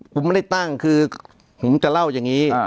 ผมไม่ได้ตั้งคือผมจะเล่าอย่างนี้